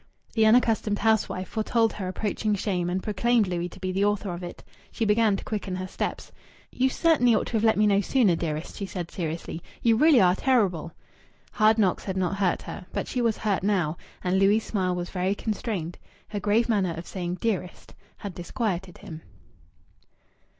The unaccustomed housewife foretold her approaching shame, and proclaimed Louis to be the author of it. She began to quicken her steps. "You certainly ought to have let me know sooner, dearest," she said seriously. "You really are terrible." Hard knocks had not hurt her. But she was hurt now. And Louis' smile was very constrained. Her grave manner of saying "dearest" had disquieted him.